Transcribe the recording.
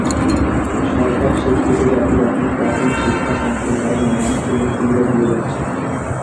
সরকার শিক্ষিত জাতি গঠনে প্রাথমিক শিক্ষা সম্প্রসারণে নানা সুযোগ-সুবিধা দিয়ে যাচ্ছে।